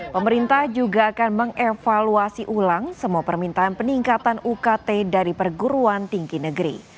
pemerintah juga akan mengevaluasi ulang semua permintaan peningkatan ukt dari perguruan tinggi negeri